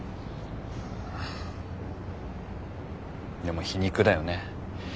でも皮肉だよね。